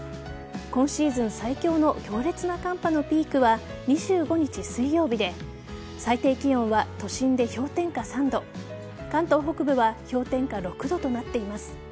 今シーズン最強の強烈な寒波のピークは２５日水曜日で最低気温は都心で氷点下３度関東北部は氷点下６度となっています。